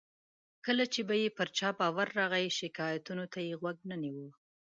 کله چې به یې پر چا باور راغی، شکایتونو ته یې غوږ نه نیو.